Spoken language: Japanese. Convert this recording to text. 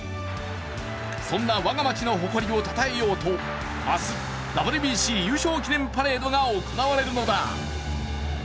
そんな我が町の誇りをたたえようと、明日、ＷＢＣ優勝記念パレードが行われるのだ。